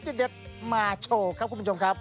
สีสันข่าวชาวไทยรัฐมาแล้วครับ